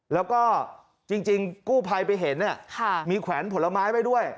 แล้วก็จริงกู้ภัยไปเห็นมีแขวนผลไม้ไว้ด้วย